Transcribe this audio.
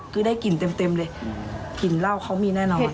คือได้กลิ่นเต็มเลยกลิ่นเหล้าเขามีแน่นอน